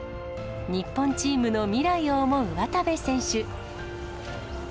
日本チームの未来を思う渡部選手。